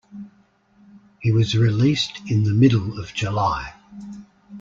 He was released in the middle of July.